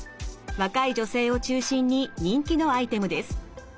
若い女性を中心に人気のアイテムです。